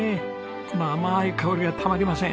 この甘い香りがたまりません。